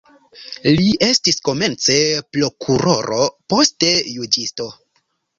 Li estis komence prokuroro, poste juĝisto.